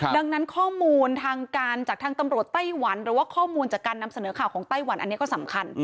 ดังนั้นข้อมูลทางการจากทางตำรวจไต้หวันหรือว่าข้อมูลจากการนำเสนอข่าวของไต้หวันอันนี้ก็สำคัญ